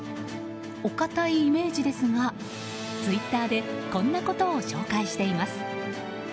お堅いイメージですがツイッターでこんなことを紹介しています。